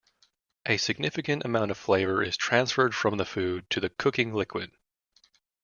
A significant amount of flavor is transferred from the food to the cooking liquid.